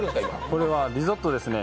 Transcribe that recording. これはリゾットですね。